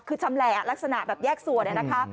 คือชำแหละลักษณะแบบแยกส่วนนะคะ